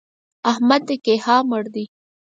احمد د کيها مړ دی!